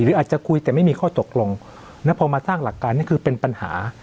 หรืออาจจะคุยแต่ไม่มีข้อตกลงแล้วพอมาสร้างหลักการนี่คือเป็นปัญหา